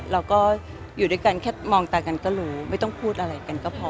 เราก็อยู่ด้วยกันแค่มองตากันก็รู้ไม่ต้องพูดอะไรกันก็พอ